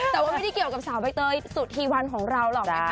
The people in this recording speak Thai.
แต่ว่าไม่ได้เกี่ยวกับสาวใบเตยสุธีวันของเราหรอกนะคะ